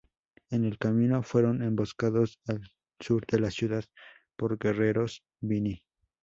En el camino, fueron emboscados al sur de la ciudad por guerreros bini.